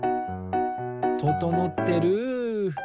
ととのってる！